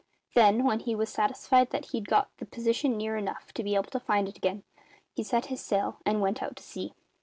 Then, when he was satisfied that he'd got the position near enough to be able to find it again, he set his sail and went out to sea.